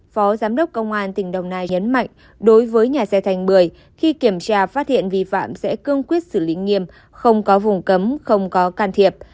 phó giám đốc công an tỉnh đồng nai nhấn mạnh đối với nhà xe thành bưởi khi kiểm tra phát hiện vi phạm sẽ cương quyết xử lý nghiêm không có vùng cấm không có can thiệp